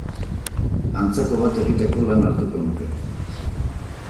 Antzeko bat egiteko lana hartuko nuke.